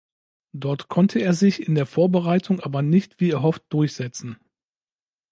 Dort konnte er sich in der Vorbereitung aber nicht wie erhofft durchsetzen.